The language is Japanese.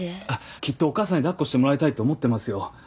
きっとお母さんに抱っこしてもらいたいと思ってますよ。